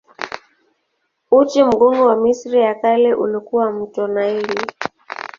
Uti wa mgongo wa Misri ya Kale ulikuwa mto Naili.